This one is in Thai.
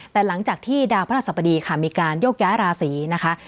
แต่หลังจากที่ดาวพระราชสัปดีค่ะมีการโยกย้ายราศีนะคะ